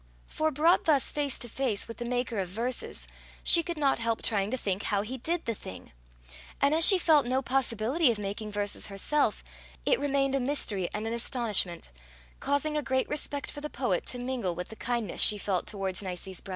For, brought thus face to face with the maker of verses, she could not help trying to think how he did the thing; and as she felt no possibility of making verses herself, it remained a mystery and an astonishment, causing a great respect for the poet to mingle with the kindness she felt towards Nicie's brother.